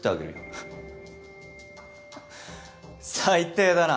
フッ最低だな